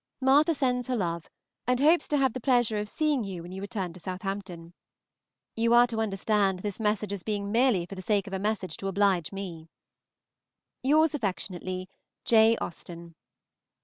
Martha sends her love, and hopes to have the pleasure of seeing you when you return to Southampton. You are to understand this message as being merely for the sake of a message to oblige me. Yours affectionately, J. AUSTEN.